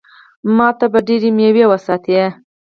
ما ته به ډېرې مېوې وساتي.